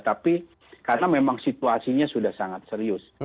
tapi karena memang situasinya sudah sangat serius